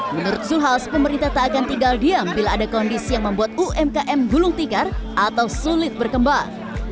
menurut zulkifli hasan pemerintah tak akan tinggal diam bila ada kondisi yang membuat umkm gulung tikar atau sulit berkembang